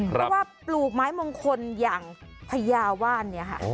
เพราะว่าปลูกไม้มงคลอย่างพญาว่านเนี่ยค่ะ